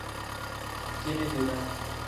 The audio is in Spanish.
Tiene de edad.